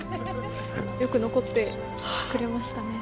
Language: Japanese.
よく残ってくれましたね。